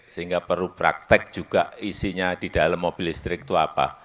sehingga perlu praktek juga isinya di dalam mobil listrik itu apa